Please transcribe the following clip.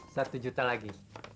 satu juta lagi